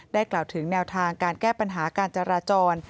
กล่าวถึงแนวทางการแก้ปัญหาการจราจร